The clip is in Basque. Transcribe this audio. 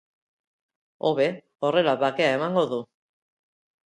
Hobe, horrela bakea emango du.